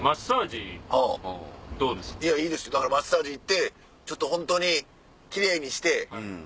いやいいですよだからマッサージ行ってちょっとホントに奇麗にして。